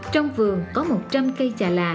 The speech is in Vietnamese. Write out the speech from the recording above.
trong vườn có một trăm linh cây trà lạ